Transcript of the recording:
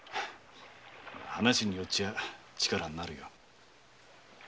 話によっちゃ力になるよ。